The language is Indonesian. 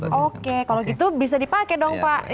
oke kalau gitu bisa dipakai dong pak